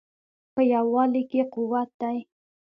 په یووالي کې قوت دی